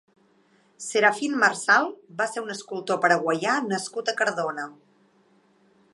Serafín Marsal va ser un escultor paraguaià nascut a Cardona.